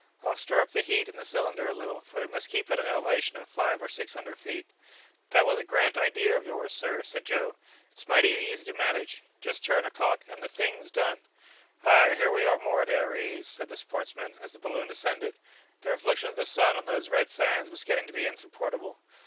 I'll stir up the heat in the cylinder a little, for we must keep at an elevation of five or six hundred feet." "That was a grand idea of yours, sir," said Joe. "It's mighty easy to manage it; you turn a cock, and the thing's done." "Ah! here we are more at our ease," said the sportsman, as the balloon ascended; "the reflection of the sun on those red sands was getting to be insupportable."